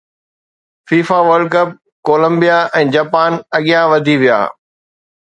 FIFA world cup Colombia ۽ Japan اڳيان وڌي ويا